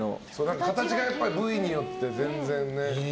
形が部位によって全然ね。